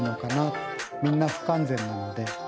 みんな不完全なので。